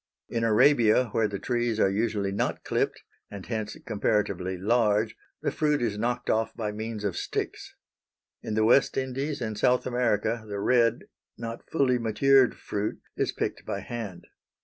In Arabia, where the trees are usually not clipped, and hence comparatively large, the fruit is knocked off by means of sticks. In the West Indies and South America the red, not fully matured fruit is picked by hand.